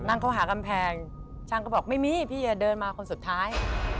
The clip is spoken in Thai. นั่งเข้าหากำแพงเชิงเขาบอกไม่มีพี่อย่าเดินมาคนสุดท้าย